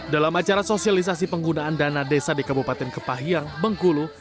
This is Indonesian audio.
dalam acara sosialisasi penggunaan dana desa di kabupaten kepahyang bengkulu